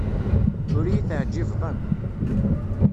Ur iyi-teɛjibeḍ akk.